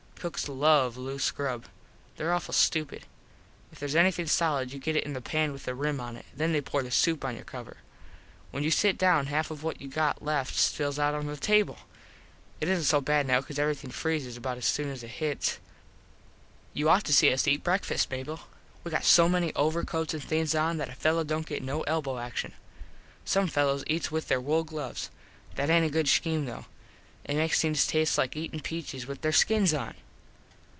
Cooks love loose grub. There awful stupid. If theres anything solid you get it in the pan with the rim on it. Then they pour the soup on your cover. When you sit down half what you got left spills out on the table. It isnt so bad now cause everything freezes about as soon as it hits. [Illustration: "ARMY FOOD ALWAYS RUNS"] You ought to see us eat breakfast, Mable. We got so many overcoats and things on that a fello dont get no elbow action. Some fellos eats with there wool gloves. That aint a good scheme though. It makes things taste like eatin peaches with there skins on.